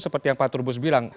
seperti yang pak turbus bilang